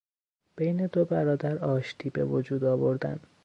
بین دو برادر آشتی به وجود آوردن